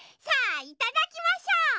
さあいただきましょう！